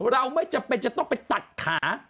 เราไม่จำเป็นจะต้องไปตัดขา